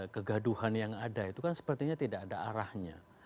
kegaduhan yang ada itu kan sepertinya tidak ada arahnya